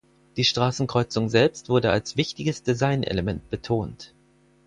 Die Straßenkreuzung selbst wurde als wichtiges Designelement betont.